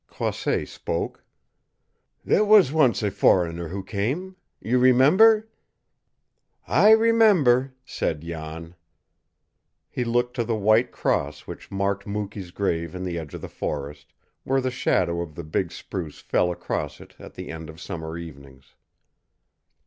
Croisset spoke. "There was once a foreigner who came. You remember?" "I remember," said Jan. He looked to the white cross which marked Mukee's grave in the edge of the forest, where the shadow of the big spruce fell across it at the end of summer evenings.